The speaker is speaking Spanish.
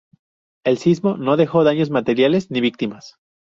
El sismo no dejó daños materiales ni víctimas.